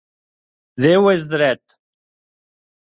Déu és dret.